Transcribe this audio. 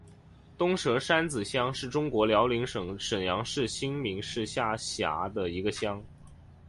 东蛇山子乡是中国辽宁省沈阳市新民市下辖的一个乡。